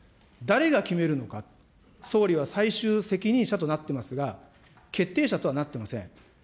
誰が決めるのか、総理は最終責任者となってますが、決定者とはなってません。